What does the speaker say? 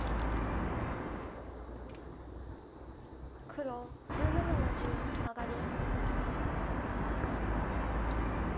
黒１７の十マガリ。